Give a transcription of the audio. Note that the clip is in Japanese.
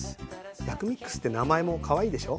薬味ックスって名前もかわいいでしょ？